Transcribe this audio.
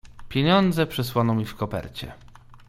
"Pieniądze przysłano mi w kopercie."